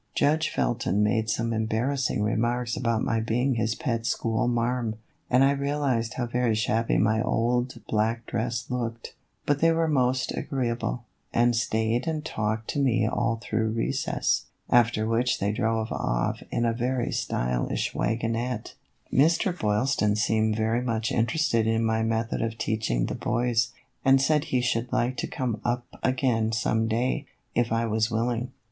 Judge Felton made some embarrassing remarks about my being his pet school marm, and I realized how very shabby my old black dress looked ; but they were most agree able, and staid and talked to me all through recess, after which they drove off in a very stylish wagon I2O THE EVOLUTION OF A BONNET. ette. Mr. Boylston seemed very much interested in my method of teaching the boys, and said he should like to come up again some day, if I was willing."